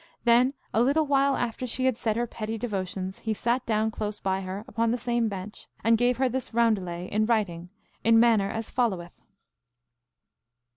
Then, a little while after she had said her petty devotions, he sat down close by her upon the same bench, and gave her this roundelay in writing, in manner as followeth.